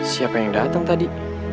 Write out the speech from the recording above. siapa yang datang tadi